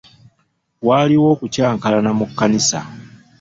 Waaliwo okukyankalana mu kkanisa.